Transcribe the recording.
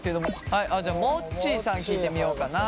はいじゃあもっちーさん聞いてみようかな。